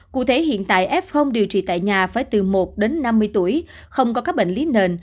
cụ thể hiện tại f điều trị tại nhà phải từ một đến năm mươi tuổi không có các bệnh lý nền